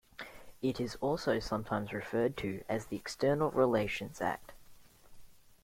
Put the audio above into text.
It is also sometimes referred to as the External Relations Act.